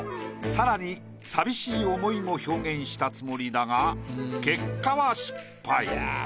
更に寂しい思いも表現したつもりだが結果は失敗。